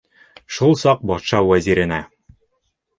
Шул саҡ батша вәзиренә: